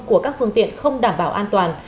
của các phương tiện không đảm bảo an toàn